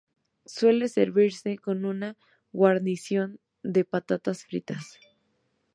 Suele servirse con una guarnición de patatas fritas.